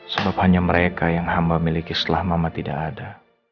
sebab hanya mereka yang hama miliki setelah mama tidak ada